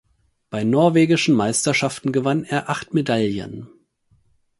Bei norwegischen Meisterschaften gewann er acht Medaillen.